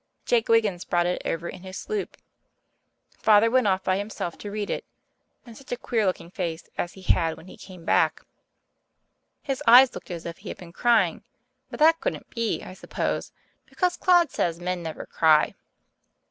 Jake Wiggins brought it over in his sloop. Father went off by himself to read it, and such a queer looking face as he had when he came back! His eyes looked as if he had been crying, but that couldn't be, I suppose, because Claude says men never cry.